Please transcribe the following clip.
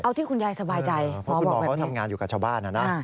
เอาที่คุณยายสบายใจเพราะคุณหมอเขาทำงานอยู่กับชาวบ้านนะนะ